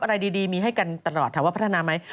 อะไรดีมีให้กันตลอดถามว่าพัฒนาไหม